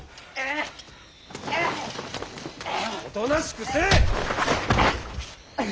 おとなしくせい！